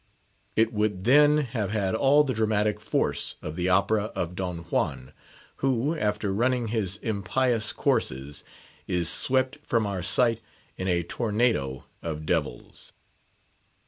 It would then have had all the dramatic force of the opera of Don Juan, who, after running his impious courses, is swept from our sight in a tornado of devils.